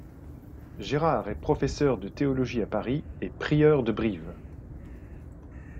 Gérard est professeur de théologie à Paris et prieur de Brive.